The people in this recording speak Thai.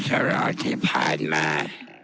สร้างสร้างที่ผ่านมา